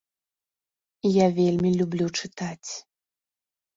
Я вельмі люблю чытаць!